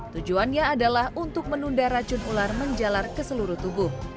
tujuannya adalah untuk menunda racun ular menjalar ke seluruh tubuh